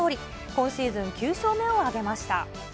今シーズン９勝目を挙げました。